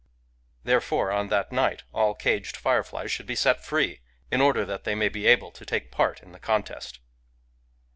Therefore, on that night all caged fireflies should be set free, in order that they may be able to take part in the contest.